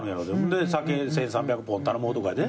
酒１，３００本頼む男やで？